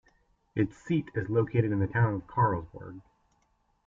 Its seat is located in the town of Karlsborg.